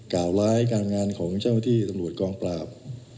กราวไลเซจการงานของเจ้าที่ตำรวจกองปราบ